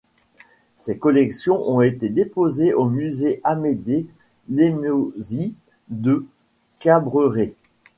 Ses collections ont été déposées au musée Amédée Lemozi de Cabrerets.